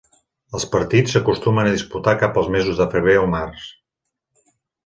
Els partits s'acostumen a disputar cap als mesos de febrer o març.